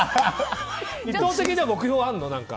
伊藤的には目標あるの？